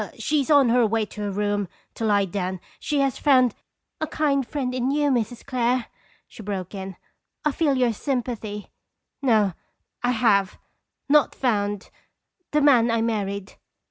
She is on her way to her room to lie down. She has found" "A kind friend in you, Mrs. Clare," she broke in. "I feel your sympathy. No I have not found the man I married."